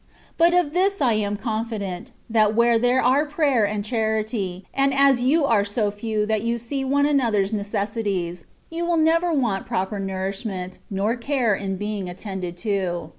But of this I am confident, that where there are prayer and charity, and as you are so few that you see one another^s neces sities, you will never want proper nourishment, nor care in being attended to.